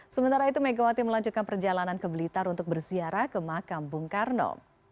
sementara itu megawati melanjutkan perjalanan ke blitar untuk bersiara ke makambung karno